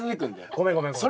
ごめんごめんごめん。